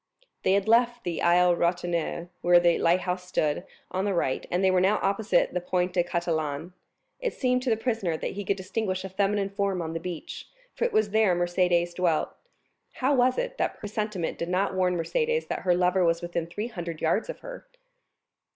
They had left the Ile Ratonneau, where the lighthouse stood, on the right, and were now opposite the Point des Catalans. It seemed to the prisoner that he could distinguish a feminine form on the beach, for it was there Mercédès dwelt. How was it that a presentiment did not warn Mercédès that her lover was within three hundred yards of her?